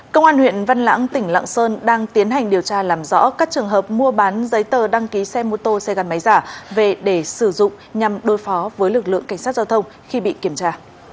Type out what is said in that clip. công an huyện văn lãng tỉnh lạng sơn đang tiến hành điều tra làm rõ các trường hợp mua bán giấy tờ đăng ký xe mô tô xe gắn máy giả về để sử dụng nhằm đối phó với lực lượng cảnh sát giao thông khi bị kiểm tra